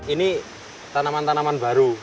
ini tanaman tanaman baru